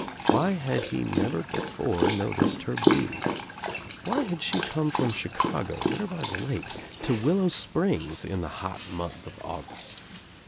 Why had he never before noticed her beauty? Why had she come from Chicago, there by the lake, to Willow Springs, in the hot month of August?